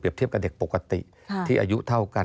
เทียบกับเด็กปกติที่อายุเท่ากัน